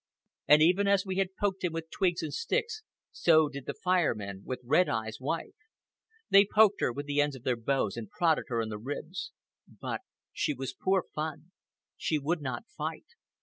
And even as we had poked him with twigs and sticks, so did the Fire Men with Red Eye's wife. They poked her with the ends of their bows, and prodded her in the ribs. But she was poor fun. She would not fight.